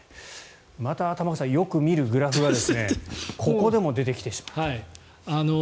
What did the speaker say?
また玉川さん、よく見るグラフがここでも出てきてしまった。